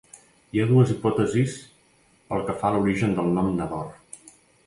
Hi ha dues hipòtesis pel que fa a l'origen del nom Nador.